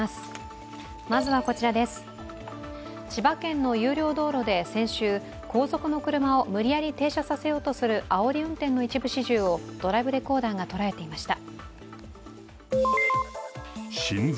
千葉県の有料道路で先週、後続の車を無理やり停車させようとするあおり運転の一部始終をドライブレコーダーが捉えていました。